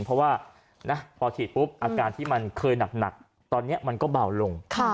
เพราะว่าพอฉีดปุ๊บอาการที่มันเคยหนักตอนนี้มันก็เบาลง